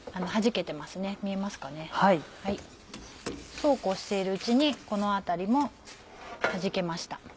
そうこうしているうちにこの辺りもはじけました。